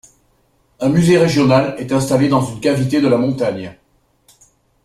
Un musée régional est installé dans une cavité de la montagne.